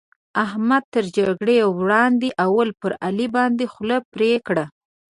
احمد تر جګړې وړاندې؛ اول پر علي باندې خوله پرې کړه.